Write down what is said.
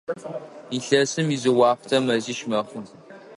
Илъэсым изыуахътэ мэзищ мэхъу.